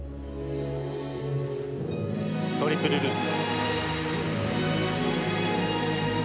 トリプルループ。